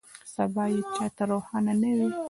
سبا یې چا ته روښانه نه وي.